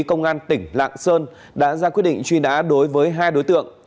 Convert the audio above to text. công an tỉnh lạng sơn đã ra quyết định truy nã đối với hai đối tượng